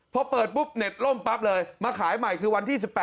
พอเปิดปุ๊บเน็ตล่มปั๊บเลยมาขายใหม่คือวันที่๑๘